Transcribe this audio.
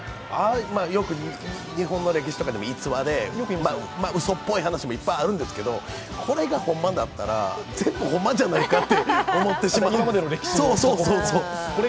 よく日本の歴史とかの逸話でうそっぽい話もいっぱいあるんですけど、これがほんまだったら全部ほんまじゃないかって思ってしまうぐらい。